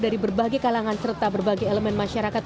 dari berbagai kalangan serta berbagai elemen masyarakat